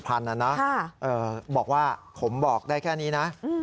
ครับเอ่อบอกว่าผมบอกได้แค่นี้นะอืม